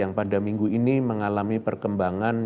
yang pada minggu ini mengalami perkembangan